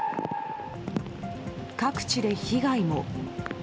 各地で被害も。